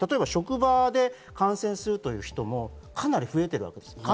職場で感染するという人もかなり増えているわけです。